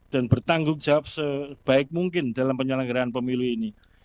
dan bertanggung jawab sebaik mungkin dalam penyelenggaraan pemilu ini